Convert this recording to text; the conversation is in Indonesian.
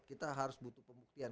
kita harus butuh pembuktian